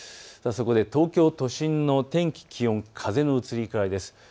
そこで東京都心の天気、気温、風の移り変わりです。